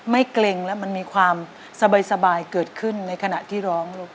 เกร็งแล้วมันมีความสบายเกิดขึ้นในขณะที่ร้องลูก